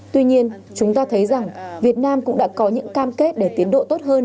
tuy nhiên chúng ta thấy rằng việt nam cũng đã có những cam kết để tiến độ tốt hơn